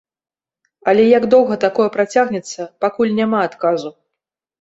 Але як доўга такое працягнецца, пакуль няма адказу.